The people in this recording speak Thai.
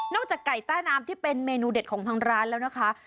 จากไก่ใต้น้ำที่เป็นเมนูเด็ดของทางร้านแล้วนะคะ